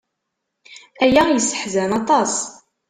Aya yesseḥzan aṭas.